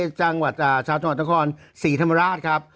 จังหวัดชาวจังหวัดนครศรีธรรมราชครับ